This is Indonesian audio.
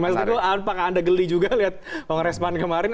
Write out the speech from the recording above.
mas teguh apakah anda geli juga lihat kongres pan kemarin